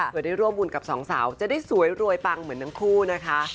เพื่อได้ร่วมบุญกับสองสาวจะได้สวยรวยปังเหมือนทั้งคู่นะคะ